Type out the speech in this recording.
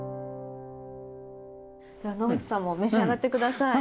では野口さんも召し上がって下さい。